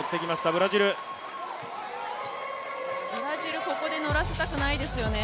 ブラジル、ここで乗らせたくないですよね。